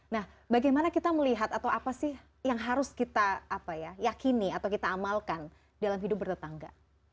nah bagaimana kita melihat atau apa sih yang harus kita yakini atau kita amalkan dalam hidup bertetangga